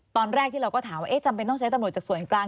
ตอนแรกที่เราก็ถามว่าจำเป็นต้องใช้ตำรวจจากส่วนกลาง